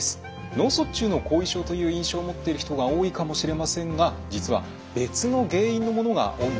脳卒中の後遺症という印象を持っている人が多いかもしれませんが実は別の原因のものが多いんだそうです。